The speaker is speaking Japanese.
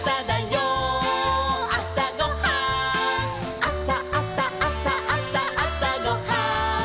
「あさあさあさあさあさごはん」